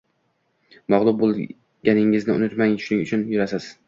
mag'lub bo'lganingizni unutmang, shuning uchun yurasiz